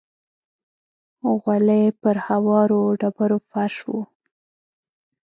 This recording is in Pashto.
غولی پر هوارو ډبرو فرش و.